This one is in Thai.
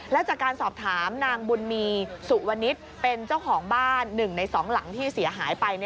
แล้วจากการสอบถามนางบุญมีสุวนิษฐ์เป็นเจ้าของบ้าน๑ใน๒หลังที่เสียหายไป